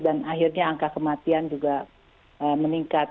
dan akhirnya angka kematian juga meningkat